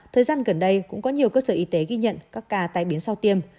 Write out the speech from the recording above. thời gian gần đây cũng có nhiều cơ sở y tế ghi nhận các ca tai biến sau tiêm